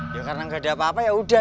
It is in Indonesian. ya karena gak ada apa apa ya udah